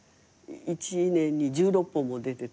１年に１６本も出てたり。